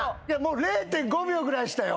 ０．５秒ぐらいでしたよ。